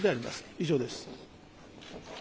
以上です。